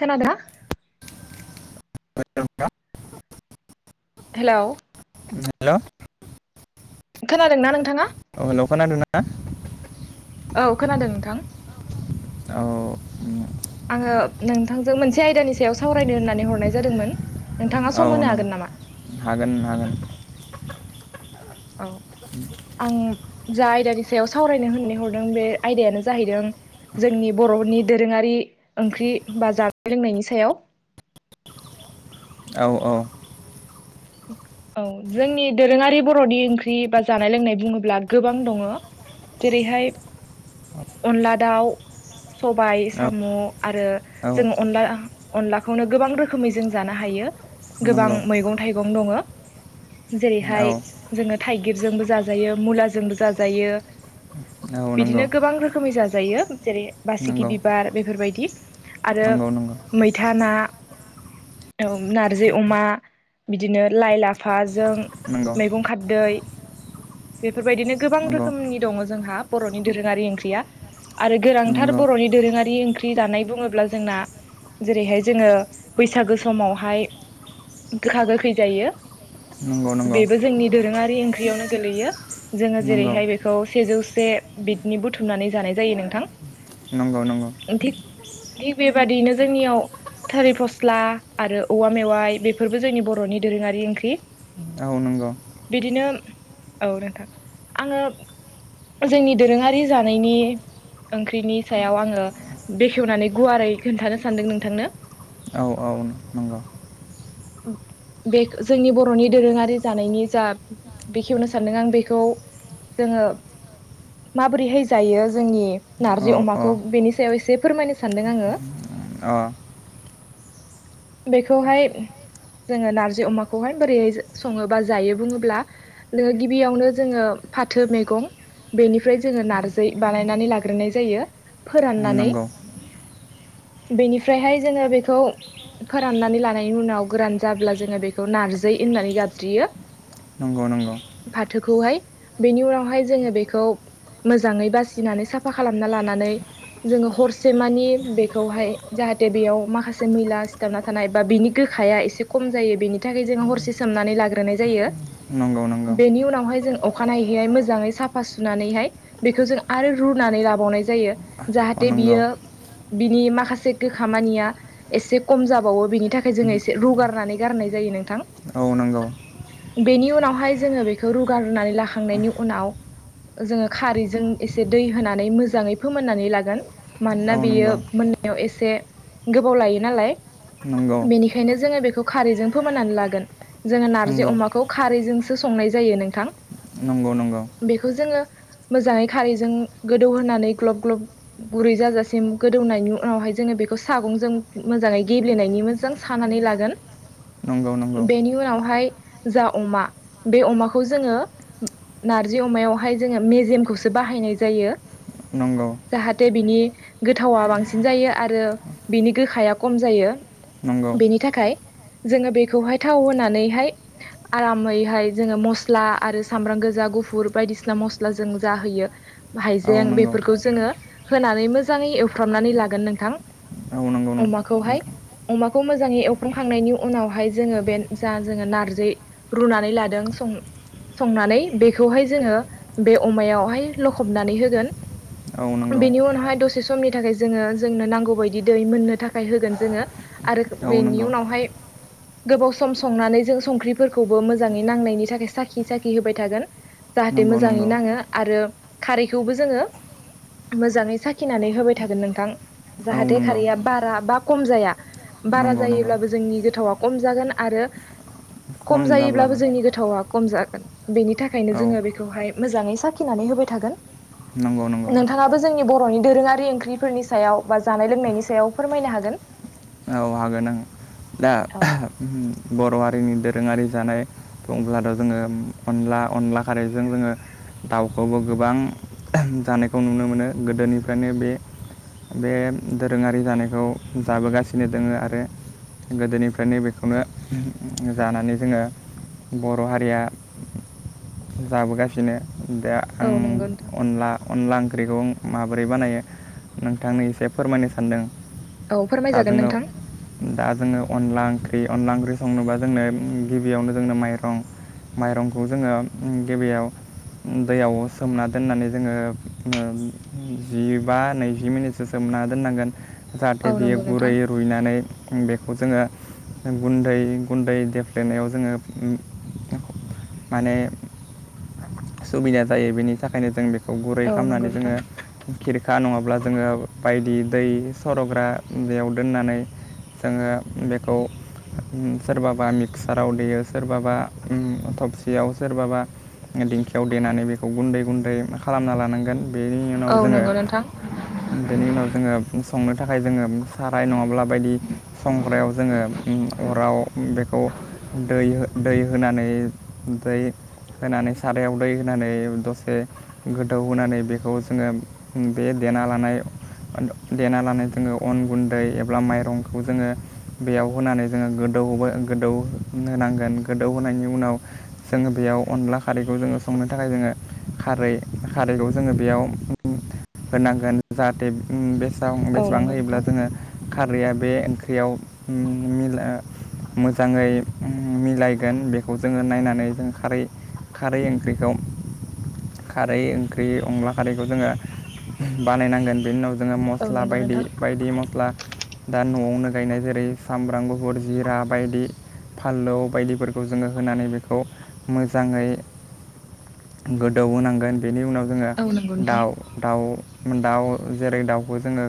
खोनादों? [unintelligible] हेलौ। उम हेलौ। खोनादों ना नोंथाङा? औ [unintelligible] औ खोनादों नोंथां। औ। आङो नोंथांजों मोनसे आयदानि सायाव सावरायनो होननानै हरनाय जादोंमोन। नोंथाङा सम होनो हागोन नामा? उम हागोन। औ आं जा आयदानि सायाव सावरायनो होननानै हरदों बे आयदायानो जाहैदों। जोंनि बर'फोरनि दोरोङारि ओंख्रि बा जानाय लोंनायनि सायाव। [inaudible] औ औ। औ जोंनि दोरोङारि बर'नि ओंख्रि बा जानाय लोंनाय बुंङोब्ला गोबां दङ। जेरैहाय अनला दाउ। सबाय औ साम आरो औ जोंङो अनला। अनलाखौनो गोबां रोखोमै जों जानो हायो गोबां नंगौ मैगं थाइगं दंङ। औ जेरैहाय जोंङो थाइगिरजोंबो जाजायो मुलाजोंबो जाजायो। नंगौ बिदिनो गोबां रोखोमै जाजायो। जेरै बासिगि नंगौ बिबार बेफोरबायदि आरो नंगौ नंगौ मैथा ना। नारजि अमा बिदिनो लाइ लाा [inaudible] जों नंगौ मैगं खाददै बेफोरबायदिनो गोबां नंगौ रोखोमनि दंङ जोंहा। बर'नि दोरोंङारि ओंख्रिया आरो गोनांथार नंगौ बर'नि दोरोंङारि ओंख्रि। फि जानाय बुंङोब्ला जोंना जेरैहाय जोंङो बैसागो समावहाय। गोखा गोखै जायो। नंगौ नंगौ बेबो जोंनि दोरोंङारि ओंख्रियावनो गोलैयो जोंङो नंगौ जेरैहाय बेखौ सेजौ। जे बिदनि बुथुमनानै जानाय जायो नोंथां। नंग नंग। दि बेबादिनो जोंनियाव। थोरि फस्ला आरो औवा मेवाइ बेफोरबो जोंनि बर'नि दोरोंङारि ओंख्रि। औ नोंगौ। बिदिनो औ नोंथां आंङो जोंनि दोरोंङारि जानायनि। ओंख्रिनि सायाव आंङो बेखेवनानै गुवारै खोन्थानो सान्दों नोंथांनो। औ औ। नंगौ बेख जोंनि ब। बर'नि दोरोंङारि। माबोरैहाय जायो जोंनि औ नारजि अ अमाखौ बेनि सायाव एसे फोरमायनो सानदों आंङो। उम्म अ। बेखौहाय जोंङो नारजि अमाखौहाय। बोरैय संङो बा जायो बुंङोब्ला नोंङो गिबियावनो जोंङो फाथो मैगं। बेनिफ्राय जोंङो नार्जौ बानायनानै लाग्रोनाय जायो फोराननानै। नंगौ बेनिफ्रायहाय जोंङो बेखौ। फोराननानै लानायनि उनाव गोरान जाब्ला जोङो बेखौ नारजि होननानै गाबज्रियो। नंगौ नंगौ। थोर खौहाय बेनि उनावहाय जोङो बेखौ। मोजाङै बासिनानै साफा खालामना लानानै। जोङो हरसे मानि बेखौहाय जाहाथे बेयाव माखासे मैला सिथाबना थानाय बा बिनि गो। हाया एसे खम जायो बेनि थाखाय जो हर। एसे सोमनानै लाग्रोनाय जायो नंगौ नंगौ बेनि उनावहाय जों। अखानायैहैहाय मोजाङै साफा सुनानैहाय बेखौ जों आरो रुनानै लाबावनाय जायो। अ जाहाथे नंगौ बियो बिनि माखासे गो खामानिया एसे खम जाबावो बिनि बेनि थाखाय जोङो एसे रु गारनानै गारनाय जायो नोंथां। मावनांगौ। बेनि उनावहाय जोङो बेखौ रुगा रुनानै लाखांनायनि उनाव जोङो खारैजों एसे दै होनानै मोजाङै फोमोननानै लागोन औ मानोना नंगौ बेयो मोन एसे गोबाव लायो नालाय। नंगौ। जोंङो बेखौ खारैजों फोमोननानै लागोन जों नार्जारीआ नंगौ अमा खौ खारै जों सो संनाय जायो नोंथां। नंगौ नंगौ। बेखौ जोङो मोजाङै खारैजों गोदौहोनानै ग्लब ग्लब गुरै जाजासिम गोदौनायनि उनावहाय जोङो बेखौ सागंजों मोजाङै गेब्लेनायनि मोजां सानानै लागोन। नंगौ नंगौ। अहाय जाअमा बे अमाखौ जोङो नारजि अमायावहाय जोङो मेजेम म खौसो बाहायनाय जायो नंगौ जाहाथे बिनि गोथावा बांसिन जायो आरो बिनि गोखाया खम जायो नंगौ बेनि थाखाय। जोङो बेखौहाय थाव होना। नै हाय आराम हैहाय जोङो मस्ला आरो सामब्राम गोजा गुफुर बायदिसिना मस्ला जों। जाहोयो औ हाइजें नंगौ बेफोरखौ जोङो होनानै मोजाङै एवफ्रामनानै लागोन नोंथां। औ नंगौ नों अमाखौहाय नोंथां अमाखौ मोजाङै एवफ्रांखांनायनि उनावहाय जोङो बे। जा जोङो नारजि रुनानै लादों सं। संनानै बेखौहाय जोङो बे अमायावहाय लखबनानै होगोन। औ नंगौ बिनि उनावहाय दसे स समनि थाखाय जोङो जोंनो नांगौ बायदि दै मोननो थाखाय होगोन जोङो आरो औ बेनि नंगौ उनावहाय। गोबाव। सम संनानै जों संख्रिफोरखौबो मोजाङै नांनायनि थाखाय साखि साखि होबाय थागोन। जाहाथे नंगौ मोजाङै नंगौ नाङो आरो। खारैखौबो जोङो मोजाङै साखिनानै होबाय थागोन नोंथां औ जाहाथे नंगौ खारैया बारा बा खम जाया बारा नंगौ नंगौ जायोब्लाबो जोंनि गोथावा खम जागोन। आरो खम जायोब्लाबो जोंनि गोथावा। खम जागोन बेनि थाखायनो औ जोङो बेखौहाय मोजाङै साखिनानै होबाय थागोन। नंगौ नंगौ नोंथाङाबो जोंनि ब र नि दोरोङारि ओंख्रिफोरनि सायाव बा जानाय लोंनायनि सायाव फोरमायनो हागोन। अ हागोन आं दा बर हारिनि दोरोङारि जानाय बुंब्लाथ जोङो अनला अनला खारैजों जोङो। दाउखौबो गोबां जानायखौ नुनो मोनो गोदोनिफ्रायनो बे। बे दोरोङारि जानायखौ जाबोगासिनो दोङो आरो गोदोनिफ्रायनोबेखौनो जानानै जोङो। बर हारिया जाबोगासिनो। दा औ आं नंगौ नोंथां अनला अनला ओं ओंख्रिखौ माबोरै बानायो नोंथांनि एसे फोरमायनो सानदों। औ फोरमाय दा जागोन जोङो नोंथां। दा जोङो अनला ओंख्रि अनला ओंख्रि संनो बा जोंनो गिबियावनो जोंनो माइरं माइरंखौ जोङो गिबियाव दैयाव सोमना दोननानै जोङो ओ जिबा नैजि मिनिटसो सोम ना दोननांगोन जाहाथे औ बियो नंगौ नोंथां गुरै रुइनानै बेखौ जोङो गुन्दै गुन्दै देफ्लेनायाव जोङो माने सुबिदा जायो बेनि थाखायनो जों बेख खौ गुरै औ नंगौ खालामनानै नोंथां जोङो खिरखा नङाब्ला जोङो बायदि दै सरग्रा बेयाव दोननानै जोङो बेखौ सोरबाबा मिक्साराव देयो सोरबाबा उम थबसियाव सोरबाबा दिंखियाव देनानै बेखौ गुन्दै गुन्दै खालामना लानांगोन बेनि औ उनाव जोङो नंगौ नोंथां बेनि उनाव जोङो संनो थाखाय जोङो साराय नङाब्ला बायदि संग्रायाव जोङो अराव बेखौ दै दै होनानै ओमफ्राय होनानै सारायाव दै होनानै दसे गोदौ होनानै बेखौ जोङो बे देना लानाय देना लानाय जोङो अन गुन्द दै एबा माइरंखौ जोङो बेयाव होनानै जोङो गोदौ गोदौ होनोनांगोन गोदौहोनायनि उनाव जोङो बेयाव अनला खारैखौ जोङो संनो थाखाय जोङो खारै खारैखौ जोङो बेयाव होनांगोन जाहाथेसे बेसेबां औ बेसेबां नंगौ होयोब्ला नोंथां जोङो खारैया बे ओंख्रियाव मिला मोजाङै मिलायगोन बेखौ जोङो नायनानै जों खारै खारै ओंख्रिखौ खारै ओंख्रि अनला खारैखौ जोङो बानायनांगोन बेनि उनाव जोङो औ मस्ला नंगौ नोंथां बायदि-बायदि मस्ला दा न'आवनो गायनाय जेरै सामब्राम गुफुर जिरा बायदि फानलौ बायदिफोरखौ जोङो होनानै बेखौ मोजाङै गोदौहोनांगोन बेनि उनाव जोङो औ नंगौ नोंथां दाउ दाउ दाउ जेरै दाउखौ जोङो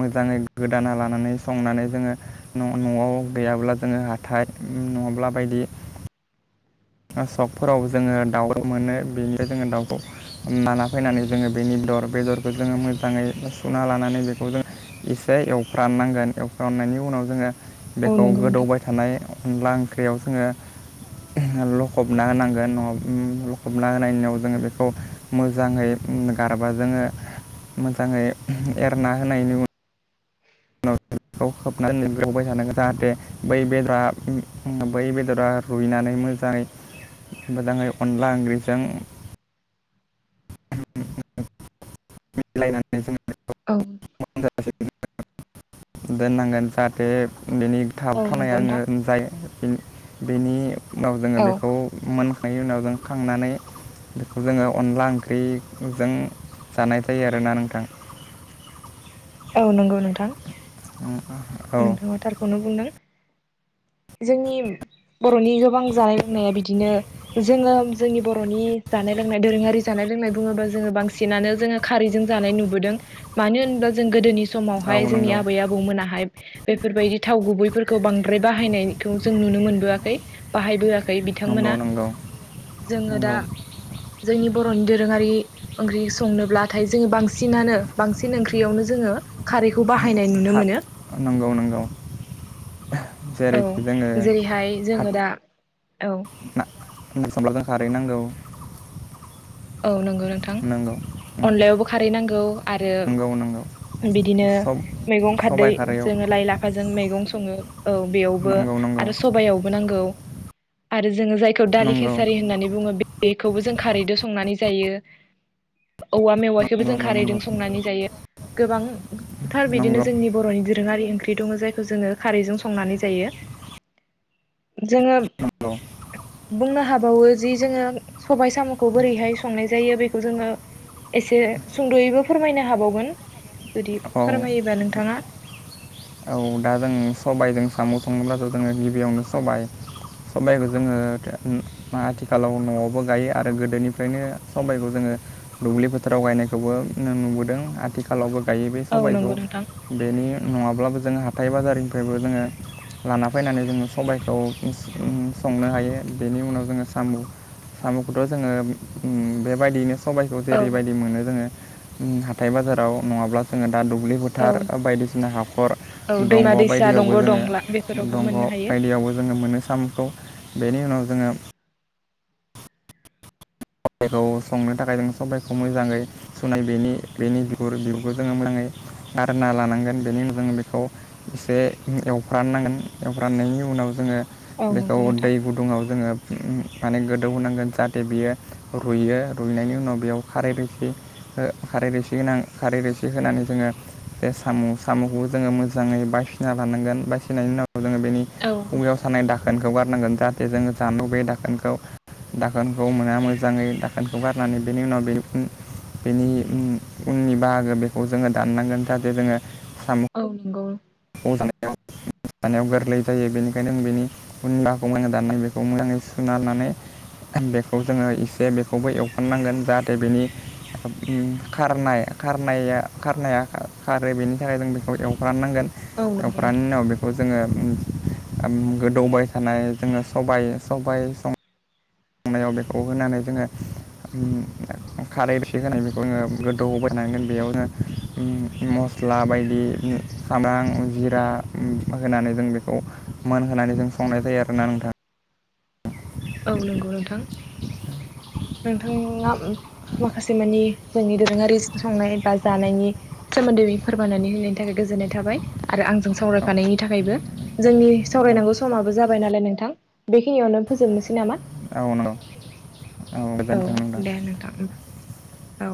मोजाङै गोदाना लानानै संनानै जोङो न' न'आव गैयाब्ला जोङो हाथाय नङाब्ला बायदि [inaudible] आ सकफोराव जोङो दाउ मोनो बेनिफ्राय जोङो दाउखौ अम लाना फैनानै जोङो बेनि दर बेदरखौ जोङो मोजाङै सुना लानानै बेखौ जों एसे एवफ्राननांगोन एवफ्राननायनि उनाव जोङो औ बेखौ नंगौ नोंथां गोदौबाय थानाय अनला ओंख्रियाव जोङो लखबना होनांगोन नङा अम लखबना होनायनि उनाव जोङो बेखौ मोजाङै अम गारबा जोङो मोजाङै एरना होनायनि उन बेखौ खोबनानै एवबाय थानांगोन जाहाथे बै बेदरा अम अम बै बेदरा रुइनानै मोजाङै-मोजाङै अनला ओंख्रिजों [unintelligible] मिलायनानै जों औ दोननांगोन जाहाथे बेनि औ नंगौ थाबथानायानो नोंथां जायो बेनि बेनि उनाव जोङो औ बेखौ मोनखायो उनाव जों खांनानै बेखौ जोङो अनला ओंख्रिजों जानाय जायो आरोना नोंथां औ नंगौ नोंथां अम नोंथाङा थारखौनो बुंदों जोंनि बर'नि गोबां जानाय लोंनाया बिदिनो जोङो जोंनि बर'नि जा जानाय लोंनाय दोरोंआरि जानाय लोंनाय बुङो बा बांसिनानो जोङो खारै जों जानाय नुबोदों मानो होनब्ला जों गोदोनि औ समावहाय नंगौ जोंनि आबै आबौमोनाहाय बेफोरबायदि थाव गुबैफोरखौ बांद्राय बाहायनायखौ जों नुनो मोनबोआखै बाहायबोआखै नंगौ बिथांमोना नंगौ जोङो दा नंगौ जोंनि बर'नि दोरोङारि ओंख्रि संनोब्लाथाय जोङो बांसिनानो बांसिन ओंख्रियावनो जोङो खारैखौ बाहायनाय नुनो मोनो नंगौ-नंगौ औ जेरैहाय खार जोङो दा औ [unintelligible] खारै नांगौ औ नंगौ नोंथां नंगौ उम अनलायावबो खारै नांगौ आरो नंगौ नंगौ बिदिनो सब मैगं खारदै सबाइ खारैयाव जोङो लाइ लाफाजों मैगं सङो औ बेयावबो नंगौ नंगौ आरो सबयावबो नांगौ जोङो जायखौ दालि नंगौ खेसारि होननानै बुङो बेखौबो जों खारैदों संनानै जायो औवा मेवाइखौबो जों नंगौ खारैजों नंगौ संनानै जायो गोबांथार बिदिनो नंगौ जोंनि बर'नि दोरोङारि ओंख्रि बिदनो जायखौ जोङो खारैजों संनानै जायो जोङो नंगौ बुंनो हाबावो जि जोङो सबाय साम' खौ बोरैहाय संनाय जायो बेखौ जोङो एसे सुंद'यैबो फोरमायनो हाबावगोन जुदि औ फोरमायोबा नोंथाङा औ दा जों सबायजों साम' सङोब्लासो जोङो गिबियावनो सबाय सबायखौ जोङो अम आथिखालाव न'आवबो गायो आरो गोदोनिफ्रायनो सबायखौ जोङो दुब्लि फोथाराव गायनायखौबो नुबोदों आथिखालावबो गायो बे औ सबायखौ नंगौ नोंथां बेनि नङाब्लाबो जोङो हाथाय बाजारनिफ्रायबो जोङो लाना फानानै जोङो सबायखौ अम संनो हायो बेनि उनाव जोङो साम' साम'खौथ' जोङो ओम बेबायदियैनो सबाइखौ औ जेरैबायदि मोनो जोङो दा दुब्लि औ फोथार बायदिसिना हाखर औ दैमा दंग' दैसा बायदियावबो दंग' जोङो दंला बेफोरावबो मोननो हायो नाव जोङो खौ संनो थाखाय जों सबाइखौ मोजाङै सुनाय बेनि बेनि बिगुर बिुरखौ जोङो मोजां आरो ना लानांगोन बेनि उनाव जों बेखौ एसे एवफ्राननांगोन एवफ्रनायनि नि उनाव जोङो औ बेखौ नंगौ नोंथां दै गुदुङाव जोङो ओम माने गोदौ होनोनांगोन जाहाथे बियो रुइयो रुइनायनि उनाव बेयाव खारै बे खारै रोसि गोनां खारै रोसि होनानै जोङो बे साम' साम'खौबो जोङो मोजाङै बायसिना लानांगोन बायसिनायनि उनाव जोङो बेनि औ खुगायाव सानाय दाख दाखोनखौ गारनांगोन जाहाथे जोंङो जामु बे दाखोनखौ दाखोनखौ मोना मो मोजाङै दाखोनखौ गारनानै बेनि उनाव बे बेनि उननि बाहागो बेखौ जोङो दाननांगोन जाहाथे जोङो औ नंगौ औ दाननायाव दाननायाव गोरलै जायो बेनिखायनो आ बेनि गुन्दाखौ मोजां दाननाय बेखौ मोजाङै सुना लानानै बेखौ जोङो एसे बेखौबो एवफानांगोन जाहाथे बेनि खारनाय खारनाया खारनाया खारो बेनि थाखाय जों बेखौ एवफ्रामनांगोन औ नंगौ दफ्रानि नोंथां उनाव बेखौ जोङो गोदौबाय थानाय जोङो सबाइ सबाइ संनायाव बेखौ होनानै जोङो ओम खारैइसे होनाय बेखौ जोङो गोदौ बोननांगोन बेयावनो ओम मस्ल स्ला बायदि सामब्राम जिरा होनानै जों बेखौ मोनहोनानै जों संनाय जायो आरोना नोंथां औ नंगौ नोंथां नोंथाङा माखासे मानि जोंनि दोरोङारि संनाय बा जानायनि सोमोन्दै फोरमायनानै होननि थाखाय गो गोजोननाय थाबाय आरो आंजों सावरायफानायनि थाखायबो जोंनि सावरायनांगौ समाबो जाबाय नालाय नोंथां बेखिनियावनो फोजोबनोसै नामा औ नंगौ औ दे नोंथां ओम औ